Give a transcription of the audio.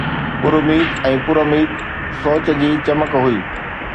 پراميد ۽ پراميد سوچ جي چمڪ هئي